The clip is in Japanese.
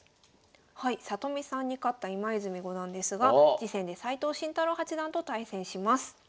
里見さんに勝った今泉五段ですが次戦で斎藤慎太郎八段と対戦します。